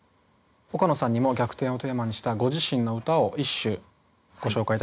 岡野さんにも「逆転」をテーマにしたご自身の歌を一首ご紹介頂きます。